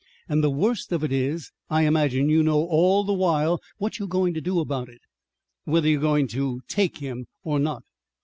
And the worst of it is, I imagine you know all the while what you're going to do about it whether you're going to take him or not."